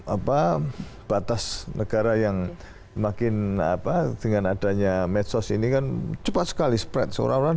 apa batas negara yang makin apa dengan adanya medsos ini kan cepat sekali spreads orang orang